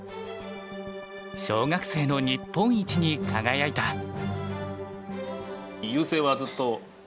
小学生の日本一に輝いた。